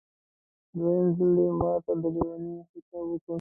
دویم ځل دې ماته د لېوني خطاب وکړ.